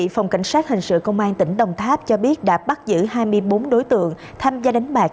phòng cảnh sát hình sự công an tỉnh đồng tháp cho biết đã bắt giữ hai mươi bốn đối tượng tham gia đánh bạc